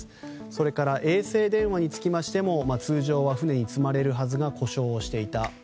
それから衛星電話につきましても通常は船に積まれるはずですが故障をしていた。